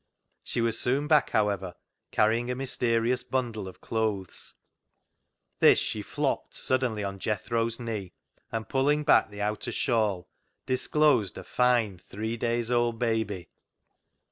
She was soon back, however, carrying a mysterious bundle of clothes. This she " flopped " suddenly on Jethro's knee, and, pulling back the outer shawl, disclosed a fine three days' old baby.